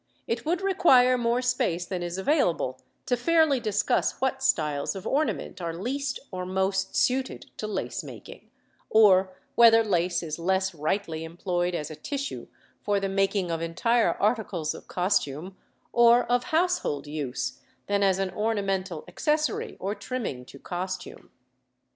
It would require more space than is available to fairly discuss what styles of ornament are least or most suited to lace making; or whether lace is less rightly employed as a tissue for the making of entire articles of costume or of household use, than as an ornamental accessory or trimming to costume.